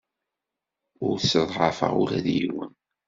Ur sseḍɛafeɣ ula d yiwen.